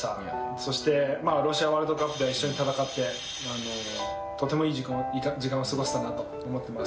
そしてロシアワールドカップでは一緒に戦って、とてもいい時間を過ごせたなと思ってます。